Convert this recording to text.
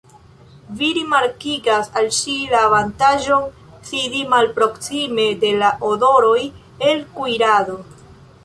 Vi rimarkigas al ŝi la avantaĝon sidi malproksime de la odoroj el kuirado.